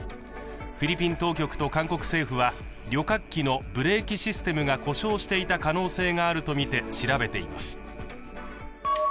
フィリピン当局と韓国政府は旅客機のブレーキシステムが故障していた可能性があるとみて調べています。